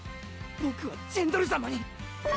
僕はジェンドル様に。